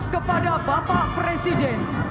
kepada bapak presiden